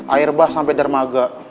air bas sampai dermaga